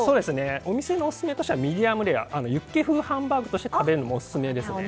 お店のオススメとしてはミディアムレアユッケ風ハンバーグとして食べるのもオススメです。